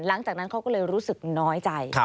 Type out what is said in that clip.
หลังจากนั้นเขาก็เลยรู้สึกน้อยใจ